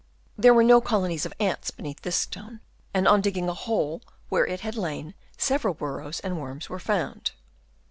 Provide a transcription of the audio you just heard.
There were no colonies of ants beneath this stone, and on digging a hole where it had lain, several burrows and worms were found.